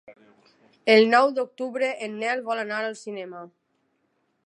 El nou d'octubre en Nel vol anar al cinema.